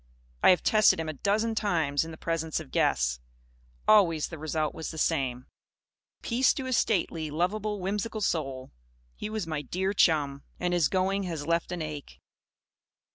I have tested him a dozen times, in the presence of guests. Always the result was the same. Peace to his stately, lovable, whimsical soul! He was my dear chum. And his going has left an ache.